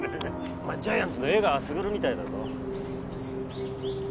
お前ジャイアンツの江川卓みたいだぞ